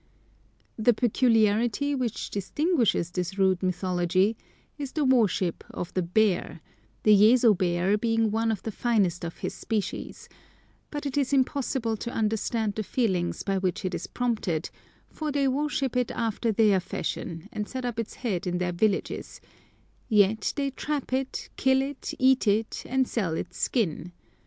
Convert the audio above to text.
The peculiarity which distinguishes this rude mythology is the "worship" of the bear, the Yezo bear being one of the finest of his species; but it is impossible to understand the feelings by which it is prompted, for they worship it after their fashion, and set up its head in their villages, yet they trap it, kill it, eat it, and sell its skin.